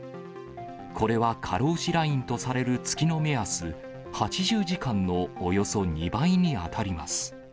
これは過労死ラインとされる月の目安、８０時間のおよそ２倍に当たります。